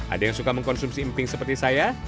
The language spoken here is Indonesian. ada yang suka mengkonsumsi emping seperti saya